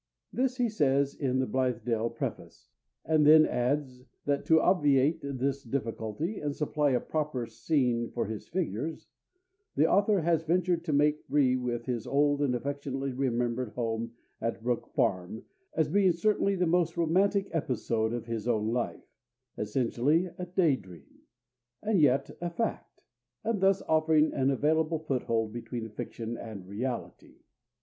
This he says in The Blithedale preface, and then adds that, to obviate this difficulty and supply a proper scene for his figures, "the author has ventured to make free with his old and affectionately remembered home at Brook Farm as being certainly the most romantic episode of his own life, essentially a day dream, and yet a fact, and thus offering an available foothold between fiction and reality."